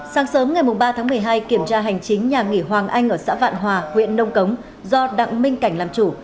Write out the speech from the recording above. sáng sớm ngày ba tháng một mươi hai kiểm tra hành chính nhà nghỉ hoàng anh ở xã vạn hòa huyện nông cống do đặng minh cảnh làm chủ